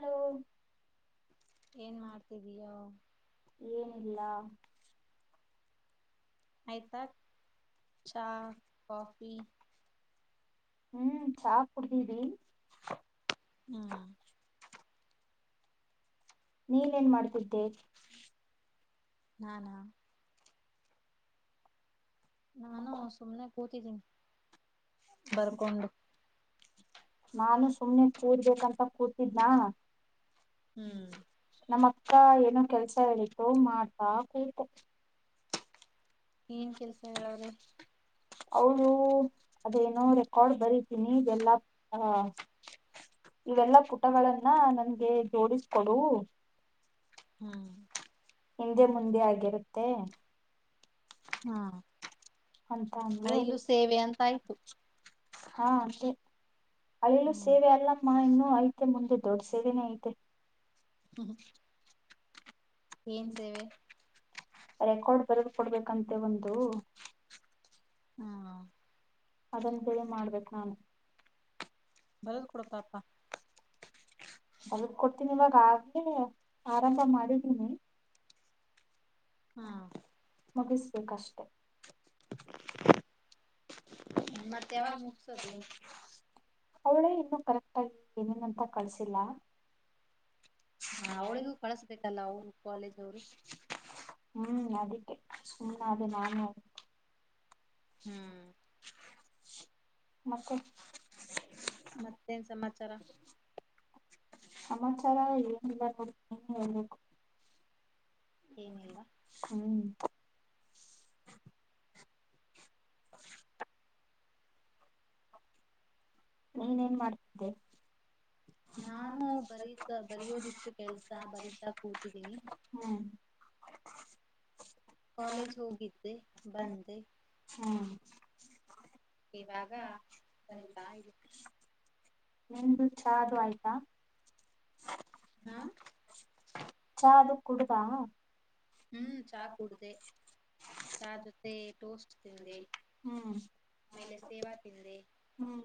ಹಲ ಏನ್ ಮಾಡ್ತಿದಯೋ ಇಲ್ಲ ಆಯ್ತಾ ಚಹ ಕಾಫಿ ಹ್ಮ್ ಚಾ ಕುಡ್ದೀಿ [inaudible] ಹ್ಮ್ ನೀನ ಏನ್ ಮಾಡ್ತಿದ್ದೆ ನಾನಾ ನಾನು ಸುಮ್ನೆ [inaudible] ಕೂತಿದೀನಿ ಬರ್ಕೊಂಡು ನಾನು ಸುಮ್ನೆ ಕೂರ್ಬೇಕಂತ ಕೂತಿದ್ನಾ [unintelligible] ಹ್ಮ್ ನಮ್ಮ ಅಕ್ಕ ಏನೋ ಕೆಲ್ಸ ಹೇಳತು ಮಾಡ್ತಾ ಕೂತು ಏನ್ ಕೆಲ್ಸ ಹೇಳವ್ರಿ ಅವಳು ಅದೇನೋ ರೆಕಾರ್ಡ್ ಬರತೀನಿ ಇವೆಲ್ಲಾ ಅಹ ಇವೆಲ್ಲಾ ಪುಟಗಳನ್ನ ನನ್ಗೆ ಜೋಡಿಸ್ಕೊಡು ಹ್ಮ್ ಹಿಂದೆ ಮುಂದೆ ಆಗಿರುತ್ತೆ ಹಾ [unintelligible] ಅಂತ ಅಂದ ಅಳಿಲು ಸೇವೆ ಅಂತ ಆಯ್ತು ಹಾ ಅಲ್ಲಿಲ್ಲೂ ಹ್ಮ್ ಸೇವೆ ಅಲ್ಲಮ್ಮ ಇನ್ನೂ ಹ ಐತಿ ಮುಂದೆ ದೊಡ್ ಸೇನೇ ಐತೆ ಹ್ಮ [inaudible] ಏನ್ ಸೇವೆ ರೆಕಾರ್ಡ್ ಬರೆದು ಕೊಡ್ಬೇಕಂತೆ ಒಂದು ಹ್ಮ ಅದನ್ ಕೂಡ ಮಾಡ್ಬೇಕು ನಾನು ಬರದು ಕೊಡಪ್ಪ ಅಪ್ಪಾ ಅಲ್ ಕೊಡ್ತೀನಿ ಇವಾಗ ಆಗ್ಲೇ ಆರಂಭ ಮಾಡಿದೀನಿ ಹಾ ಮುಗಿಸ್ಬೇಕಷ್ಟೆ ಮಮ್ಮಿತ್ಯಾವಾಗ್ ಮುಕ್ಸದು ಅವಳೆ ಇನ್ನುೂ ಕರೆಕ್ಟ ಆಾಗಿ ಏನೇನಂತ ಕಳ್ಸಿಲ್ಲ ಹಾ ಅವಳಿಗೂ ಕಳಸ್ಬೇಕಲ್ಲ ಅವರು ಕಾಲೇಜ್ ಅವ್ರು ಹ್ಮ್ ಅದಕ್ಕೆೆ ಸುಮ್ಮ ಅದ ನಾನು ಅ ಹ್ಮ್ ಮತ್ತೆ ಮತ್ತೇನ್ ಸಮಾಚಾರ ಸಮಾಚಾರ ಏನಿಲ್ಲ ನೋಡ್ ಹೇಳ್ಬೇಕು ಏನಿಲ್ವಾ ಹ್ಮ್ [unintelligible] ನೀನ ಏನ್ ನ್ ಮಾಡ್ತಿದ್ದೆ ನಾನು ಹ್ಮ್ ಬರೀತ ಬರಯೋದಿತ್ತು ಕೆಲ್ಸ ಬರೀತಾ ಕೂತಿದೀನಿ ಕಾಲೇಜ ಹೋಗತ್ತೆ ಬಂದ ಹ್ಮ ಇವಾಗ ಸರಿತಾ ಇಲ್ಲಿ ನಿಮ್ದು ಚಾ ಅದು ಆಯ್ತಾ ಹ್ಮ ಕುಡದಾ ಹ್ಮ್ ಚಹ ಕೂಡ್ದ ಚಹ ಜೊತೆ ಟೋಸ್ಟ್ ತಿಂದೆ ಹ್ಮ್ ಮೇಲೆ ಸೇವಾ ತಿಂದೆ ಹ್ಮ್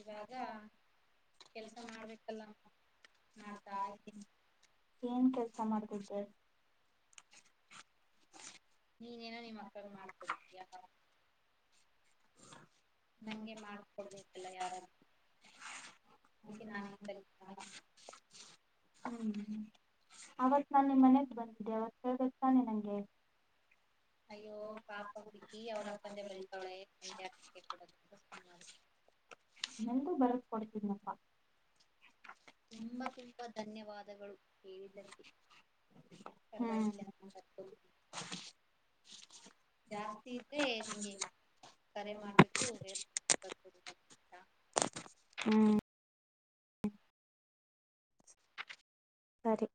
ಇವಾಗ ಕೆಲ್ಸ ಮಾಡ್ಬೇಕಲ್ಲ ಮಾಡ್ತಾ ಇದತೀನಿ ಕೆಸ ಮಾಡ್ತಿದ್ದೆ ನೀನ್ೇನೋ ನಿಮ್ಮ ಅಕ್ಕನ್ ಮಾಡ್ಕೊಡ್ ಯ ಹ್ಮ್ ನಂಗೆ ಮಾಡಕೊಡ್ಬೇಕಲ್ಲ ಯಾರಾದೂ ಇದಕ್ಕೆೆ ನಾನೇ ಕರಿತ ಅರಿತ ಹ್ಮ್ ಅವತ್ ನಾನ್ ನಿಮ್ಮ್ ಮನೆಗ್ ಬಂದಿದ್ದೆ ಅವತ್ತು ಹೇಬೇಕಕ್ಕೆ ತಾನೆ ನಂಗೆ ಅಯ್ಯೋ ಪಾಪ ಹುಡುಕಿ ಅವ್ರ ಅಕ್ಕಂದೆ ಬರತವಳೆೆ ಅಕ್ಕಕ್ಕೆ ಕೊಡ ಸ ಕೊಡ್ತ ತುಂಬಾ ತುಂಬಾ ಧನ್ಯವಾದಗಳು ಹೇಳಿದಕ್ಕೆ ಪರವಾಗಿಲ್ಲರ್ ಜಾಸ್ತಿ ಇದ್ರೆ ನಿಂಗೆ ಕರೆ ಮಾಡ್ಬಿಟ್ಟು ಹ ಬರ್ ಹ್ಮ್ ಸರಿ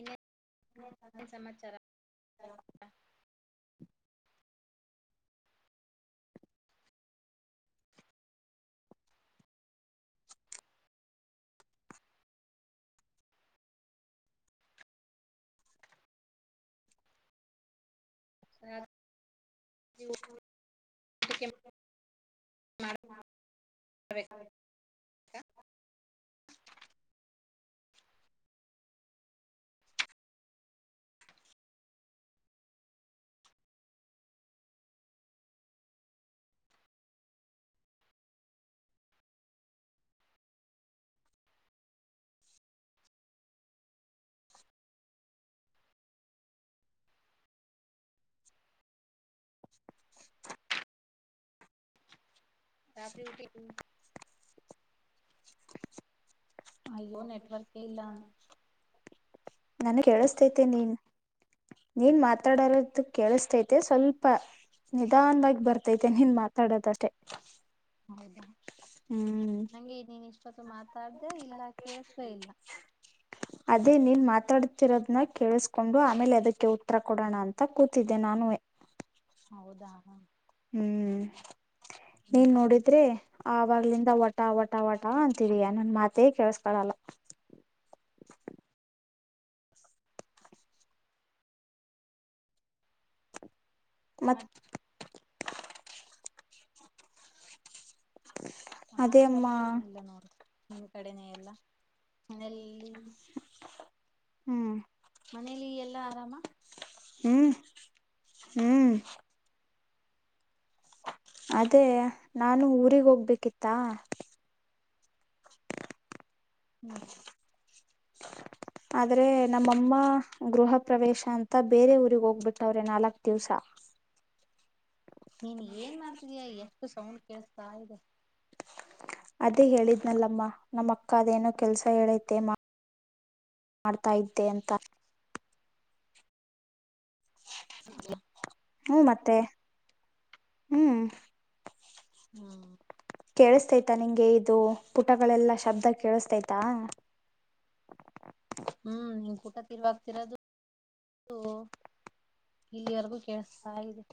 ಇಲ್ಲ ಸಮಾಚಾರ [inaudible] ಹಾ ಹ ರಾತ್ರಿ ಊಟಿ ಅಯ್ಯೋ ನೆಟ್ವರ್ಕೇ ಇಲ್ಲ ನನ್ ಕೇಳಸ್ತೈತೆ ನೀನ್ ನೀನ್ ಮಾತಾಡರದದು ಕೇಳಿಸತೈತೆ ಸ್ವಲ್ಪ ನಿಧಾನವಾಗಿ ಬರ್ತೈತೆ ನೀನ್ ಮಾತಾಡೋದಷ್ಟೆ ಹೌದಾ ಹ್ಮ್ ನಂಗೆ ನೀನ್ ಇಷ್ಟೊತ್ತು ಮಾತಾಡ್ದ ಇಲ್ಲ ಕೇಳಿಸಲೇ ಇಲ್ಲ ಅದೇ ನೀನ್ ಮಾತಾಡ್ತಿರೋದನ್ನ ಕೇಳಿಸ್ಕೊಂಡು ಆಮೇಲೆ ಅದಕ್ಕೆ ಉತ್ತರ ಕೊಡೋಣ ಅಂತ ಕೂತಿದ್ದೆ ನಾನುವೇ ಹೌದಾ ಹ ಹ್ಮ್ ನೀನ್ ನೋಡಿದ್ರಿ ಆವಾಗ್ಲಿಂದ ಒಟ್ಟ ಟ ಒಟ ವಟ ಅಂತಿದಯ ನನ್ ಮಾತೇ ಕೇಳಸ್ಕಳಲ್ಲ ಮತ್ತ ಮತ್ ಅದೇ ಸಮಾಚಾರ ಅಮ್ಮ ಏನಿಲ್ಲ ನೋಡ್ರಿ ನಿನ್ ಕಡೆನೇ ಎಲ್ಲ ಮನೆಯಲ್ಲಿ ಹ್ಮ್ ಮನೇಲಿ ಎಲ್ಲಾ ಆರಾಮ ಹ್ಮ್ ಹ್ಮ್ ಅದೇ ನಾನು ಊರಿಗ್ ಹೋಗ್ಬೇಕಿತ್ತಾ ಹ್ಮ್ ಆದ್ರೆ ನಮ್ಮಮ್ಮ ಗೃಹ ಪ್ರವೇಶ ಅಂತ ಬೇರೆ ಊರಿರಿಗೆ ಹೋಗ್ಬಿಟ್ಟವ್ರೆ ನಾಲ್ಕ್ ದಿವ್ಸ ನೀನ್ ಏನ್ ಮಾಡ್ತಿದಯ ಎಷ್ಟು ಸೌಂಡ್ ಕೇಳಿಸತಾ ಇದೆ ಅದೇ ಹೇಳಿದ್ನಲ್ಲಮ್ಮ ನಮ್ಮ ಅಕ್ಕ ಅದೇನೋ ಕೆಲ್ಸ ಹೇಳೈತೆ ಮಾ ಮಾಡ್ತಾ ಇದ್ದೆ ಅಂತ ಹ್ಮ್ ಮತ್ತೆ ಹ್ಮ್ ಹ್ಮ್ ಕೇಳಿಸ್ತೈತಾ ನಿಂಗೆ ಇದು ಪುಟಗಳೆಲ್ಲಾ ಶಬ್ದ ಕೇಳಸ್ತೈತಾ ಹ್ಮ್ ನಿನ್ ಊಟ ತಿರ್ವಾಗ್ತಿರೋದು ಹ ಇಲ್ಲಿವರೆಗೂ ಕೇೇಳಸ್ತಾ ಇದೆ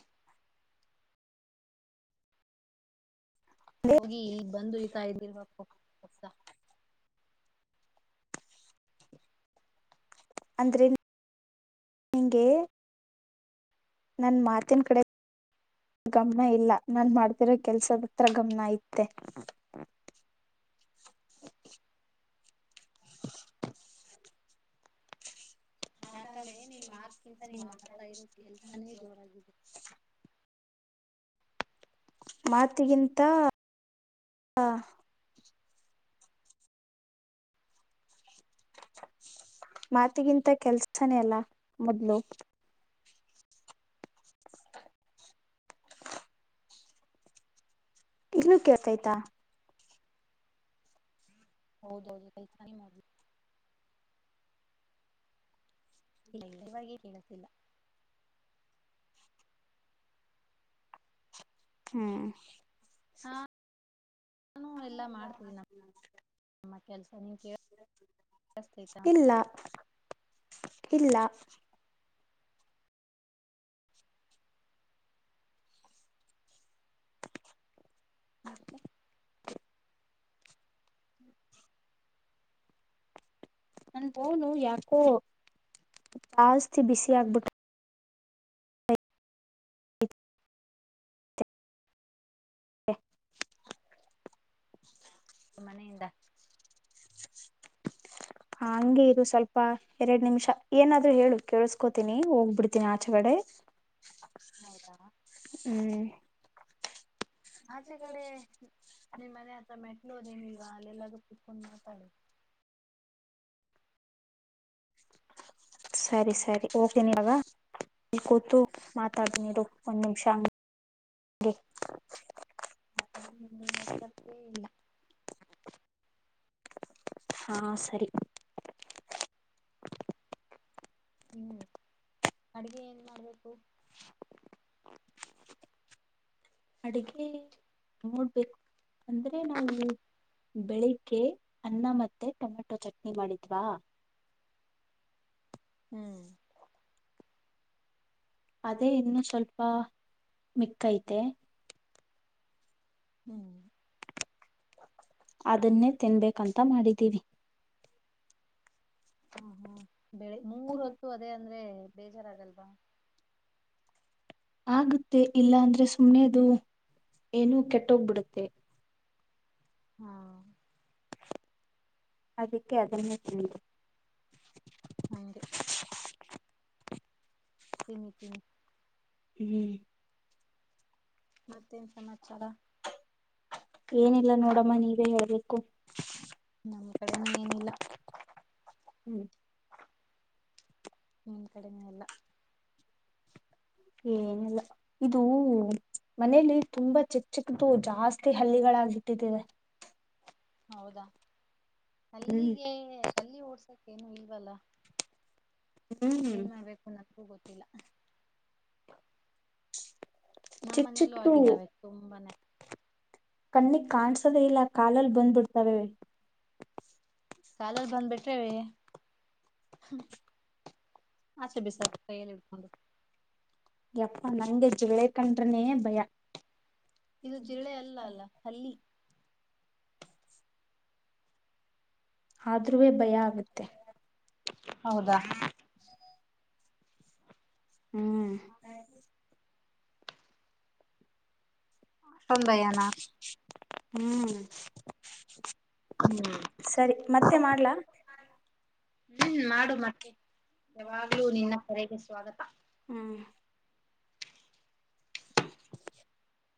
ಹೋಗಿ ಇಲ್ಲಿ ಬಂದು ಇತಾ ಇದ್ದಿಲ್ವಾ ಪತ ಅಂದ್ರೆ ನಿಂಗೆ ನನ್ ಮಾತಿನ ಕಡೆ ಗಮನ ಇಲ್ಲ ನಾನು ಮಾಡ್ತಿರೋ ಕೆಲ್ಸದ ಹತ್ರ ಗಮನ ಇತ್ತೆ ಯಾಕಂದ್ರೆ ನೀನ್ ಮಾಕಿಂತ ನೀನ್ ಮಾಡ್ತಾ ಇರೋ ಕೆಲ್ಸನೇ ಜೋರಾಗಿದೆ ಮಾತಿಗಿಂತ ಮಾತಿಗಿಂತ ಕೆಲ್ಸನೇ ಅಲ್ಲಾ ಮೊದ್ಲು ಇನ್ನುೂ ಕೇಳ್ತಾಯ್ತಾ ಹೌದೌದು ಪೈಸ ನೀ ಮಾಡ ಇಲ್ಲವಾಗಿಯ ಕಣಸಿಲ್ಲ ಹ್ಮ್ ಹ ನಾನು ಎಲ್ಲ ಮಾಡ್ತೀಿ ನಮ್ಮ ಕೆ ಇಲ್ಲ ಇಲ್ಲ ಮತ್ತೆ ನನ್ ಹೋನು ಯಾಕೋ ಜಾಸ್ತಿ ಬಿಸಿ ಆಗ್ಬಿಟ್ಟು ಹ ಅನಿಂದ ಹ ಹಂಗಗೆ ಇ್ ಸ್ವಲ್ಪ ಎರಡ್ ನಿಮಿಷ ಏನಾದ್ರು ಹೇಳು ಕೇಳಸ್ಕೋತೀನಿ ಹೋಗ್ಬಿಡ್ತೀನಿ ಆಚೆಗಡೆ ಹೌದಾ ಹ್ಮ್ ಆಚೆ ಕಡೆ ನಿಮ್ಮ ಮನೆ ಹತ್ರ ಮೆಟ್ಲೋರ್ ಏನಿಲ್ವಾ ಅಲ್ಲೆಲ್ಲಾಗ ಕುತ್ಕೊಂಡ್ ಮಾತಾಡ ಸರಿ ಸರಿ ಓಕೆ ನೀವಾಗ ಕೂತು ಮಾತಾಡ ನೀ ಒಂದ್ ನಿಮಿಷ ನಕರ್ತರ್ತ ಇಲ್ಲ ಹಾ ಸರಿ ಹ್ಮ್ ಅಡಗೆ ಏನ್ ಮಾಡ್ಬೇಕು ಅಡುಗೆ ನೋಡ್ಬೇಕು ಅಂದ್ರೆ ನಾವು ಬೆಳಿಗ್ಗೆ ಅನ್ನ ಮತ್ತು ಟೊಮೆಟೊ ಚಟ್ನಿ ಮಾಡಿದ್ವಾ ಹ್ಮ್ ಅದೇ ಇನ್ನು ಸ್ವಲ್ಪ ಮಿಕ್ಕೈತೆ ಹ್ಮ್ ಅದನ್ನೇ ತಿನ್ಬೇಕಂತ ಮಾಡಿದ್ದೀವಿ ಹಾ ಹ್ಮ ಬೆಳೆ ಮೂರ ಹೊತ್ತು ಅದೇ ಅಂದ್ರೆ ಬೇಜಾರಾಗಲ್ವಾ ಆಗುತ್ತೆ ಇಲ್ಲ ಅಂದ್ರೆ ಸುಮ್ನೆದು ಏನೂ ಕೆಟ್ಟೋಗ್ಬಿಡುತ್ತೆ ಹ್ಮ ಅದಕ್ಕೆ ಅದನ್ನೇ ತಿ ಹಗೆ ತಿನಿ ತಿನಿ ಹ್ಮ್ ಮತ್ತೇನ್ ಸಮಾಚಾರ ಏನಿಲ್ಲ ನೋಡಮ್ಮ ನೀವೇ ಹೇಳ್ಬೇಕು ಹಕ್ಕು ನಮ್ಮ ಕಡೆನ ಏನಿಲ್ಲ ಹ್ಮ್ ಹ್ಮನ್ ಕಡಿಮಲ್ಲ ಏನಲ್ಲ ಇದು ಮನಲಿ ತುಂಬಾ ಚಿಕ್ಕ ಚಿಕ್ಕದುು ಜಾಸ್ತಿ ಹಳ್ಳಿಗಳಾಗಿ ಇಟ್ಟಿದ್ದೆ ಹೌದಾ ಹ್ಮ್ ಅಲ್ಲಿಗೆ ಹಲ್ಲಿ ಓಡ್ಸ ಕನು ಹಲ್ ಬಲ್ಲ ಹ್ಮ್ ಏನ್ ಮಾಡ್ಬೇಕು ನ ಗೊತ್ತಿಲ್ಲ ನಮ್ಮ ಚಿಕ್ ಮನೇಲ್ಲೂ ಚಿಕ್ದು ಆಗಿದ್ದಾವೆ ತುಂಬಾನೇ ಕಣ್ಣಿ ಕಾಣ್ಸದೆೇ ಇಲ್ಲ ಕಾಲಲ್ಲಿ ಬಂದ್ಬಿಡ್ತವೆೆ ಕಾಲರ್ ಬಂದ್ ಬಿಟ್ರೆವೆ ಹ ಸ ಬಿಿಸ ಕ ಹ ಯಪ್ಪಾ ನಂಗೆ ಜ್ುಳೆ ಕಂಡ್ರನೇ ಭಯ ಇದು ಜಿಲ್ಲೆ ಅಲ್ಲ ಅಲ್ಲ ಅಲ್ಲಿ ಆದ್ರೂೆ ಭಯ ಆಗುತ್ತೆ ಹೌದಾ ಹ್ಮ್ ಅಷ್ಟನ್ ಭಯಾನ ಹ್ಮ್ ಹ್ಮ್ ಸರಿ ಮತ್ತೆ ಮಾಡ್ಲಾ ಹ್ಮ್ ಮಾಡು ಮತ್ತೆ ಯಾವಾಗ್ಲೂ ನಿನ್ನ ಕರೆಗೆ ಸ್ವಾಗತ ಹ್ಮ್